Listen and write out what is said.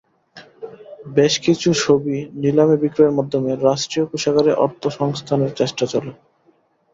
বেশ কিছু ছবি নিলামে বিক্রয়ের মাধ্যমে রাষ্ট্রীয় কোষাগারে অর্থসংস্থানের চেষ্টা চলে।